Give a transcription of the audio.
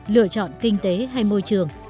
lựa chọn kinh tế hay môi trường